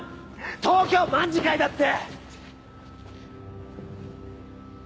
東京卍會だって！